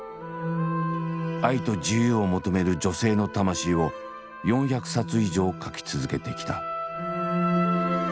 愛と自由を求める女性の魂を４００冊以上書き続けてきた。